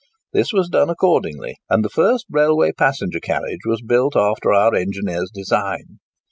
This was done accordingly; and the first railway passenger carriage was built after our engineer's design.